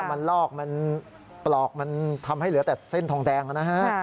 มันลอกมันปลอกมันทำให้เหลือแต่เส้นทองแดงนะฮะ